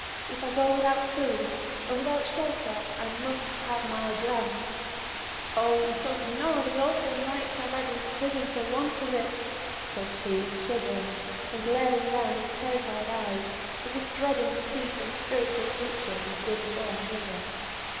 If I go without food, and without shelter, I must have my dram. Oh! you don't know the awful nights I have had in prison for want of it!" said she, shuddering, and glaring round with terrified eyes, as if dreading to see some spiritual creature, with dim form, near her.